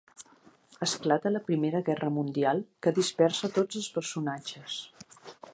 Esclata la Primera Guerra mundial, que dispersa tots els personatges.